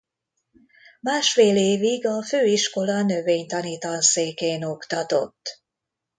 Másfél évig a Főiskola Növénytani Tanszékén oktatott.